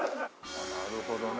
なるほどね。